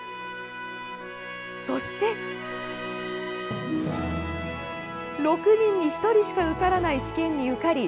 そして６人に１人しか受からない試験に受かり